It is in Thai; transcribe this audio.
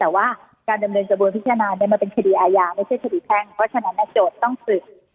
ระวัสมัติวันนิดนึงเขาห้ามการันตรีผลค่ะ